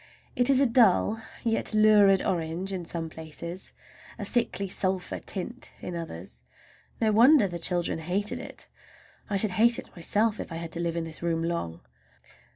It is a dull yet lurid orange in some places, a sickly sulphur tint in others. No wonder the children hated it! I should hate it myself if I had to live in this room long.